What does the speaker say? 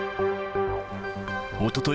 おととい